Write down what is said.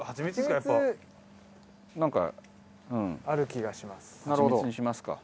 ある気がします。